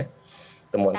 tapi sejauh ini